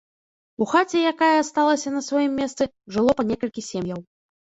У хаце, якая асталася на сваім месцы, жыло па некалькі сем'яў.